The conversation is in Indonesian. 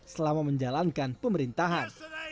selama menjalankan pemerintahan